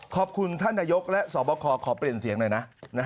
ท่านนายกและสอบคอขอเปลี่ยนเสียงหน่อยนะ